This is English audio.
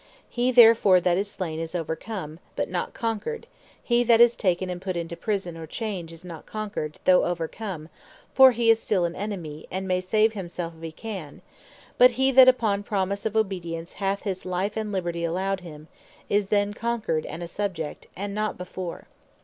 He therefore that is slain, is Overcome, but not Conquered; He that is taken, and put into prison, or chaines, is not Conquered, though Overcome; for he is still an Enemy, and may save himself if hee can: But he that upon promise of Obedience, hath his Life and Liberty allowed him, is then Conquered, and a Subject; and not before.